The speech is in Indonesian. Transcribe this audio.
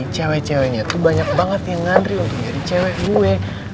cewek ceweknya tuh banyak banget yang ngantri untuk nyari cewek gue